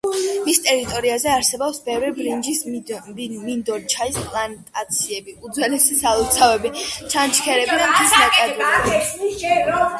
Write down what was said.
მის ტერიტორიაზე არსებობს ბევრი ბრინჯის მინდორი, ჩაის პლანტაციები, უძველესი სალოცავები, ჩანჩქერები და მთის ნაკადულები.